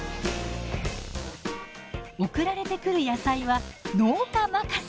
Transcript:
送られてくる野菜は農家任せ。